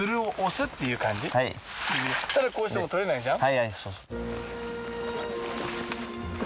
ただこうしても取れないじゃん？